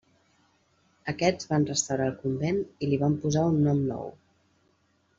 Aquests van restaurar el convent i l'hi van posar un nom nou: